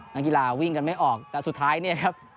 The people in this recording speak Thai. นักกีฬาวิ่งกันไม่ออกแต่สุดท้ายเนี่ยครับ